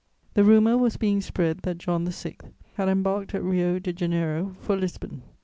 The rumour was being spread that John VI. had embarked at Rio de Janeiro for Lisbon.